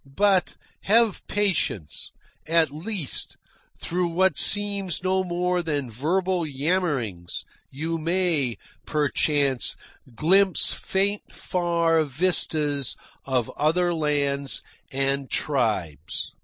But have patience. At least, through what seems no more than verbal yammerings, you may, perchance, glimpse faint far vistas of other lands and tribes.